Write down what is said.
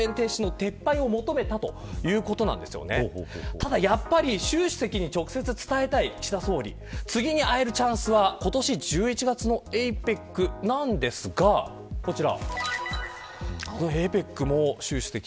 ただやっぱり、習主席に直接伝えたい岸田総理次に会えるチャンスは今年１１月のＡＰＥＣなんですがこちら。